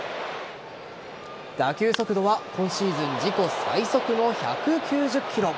打球速度は今シーズン自己最速の１９０キロ。